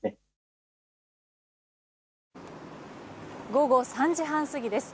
午後３時半過ぎです。